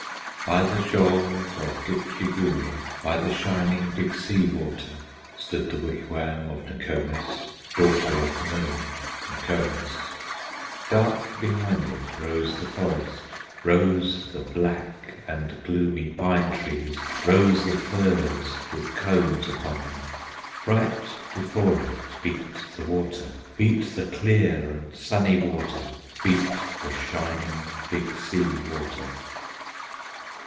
By the shores of Gitche Gumee, By the shining Big Sea Water, Stood the wigwam of Nokomis, Daughter of the Moon, Nokomis. Dark behind it rose the forest, Rose the black and gloomy pine trees, Rose the firs with cones upon them; Bright before it beat the water, Beat the clear and sunny water, Beat the shining Big Sea Water.